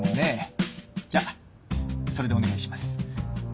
じゃあそれでお願いします。